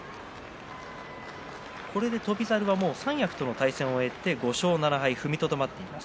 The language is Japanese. これで翔猿は三役との対戦を終えて５勝７敗で踏みとどまっています。